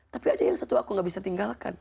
tapi ada yang satu aku gak bisa tinggalkan